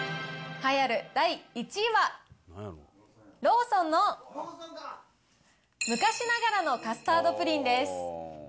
栄えある第１位は、ローソンの昔ながらのカスタードプリンです。